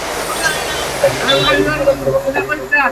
যা কিছু কাল পরে বাংলাদেশ থেকে ইন্ডিয়া যাতায়াতের সুবিধা বহন করবে।